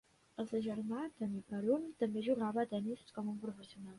El seu germà, Tony Parun, també jugava a tennis com a professional.